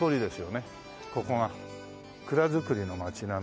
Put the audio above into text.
ここが蔵造りの街並み。